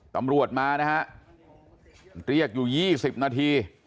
ตำรวจมานะฮะเรียกอยู่๒๐นาที